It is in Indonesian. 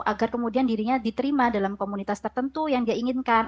agar kemudian dirinya diterima dalam komunitas tertentu yang dia inginkan